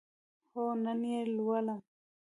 هو، نن یی لولم